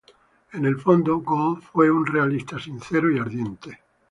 En el fondo, Gould fue un realista sincero y ardiente.